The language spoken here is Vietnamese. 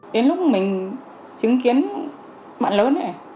đến lúc mình chứng kiến mặt lớn này